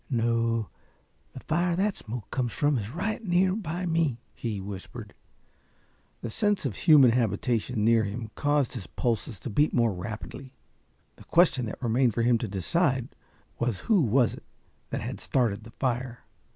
No, the fire that smoke comes from is right near by me," he whispered. The sense of human habitation near him caused his pulses to beat more rapidly. The question that remained for him to decide, was who was it that had started the fire?